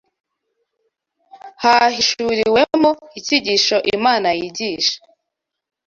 hahishuriwemo icyigisho Imana yigisha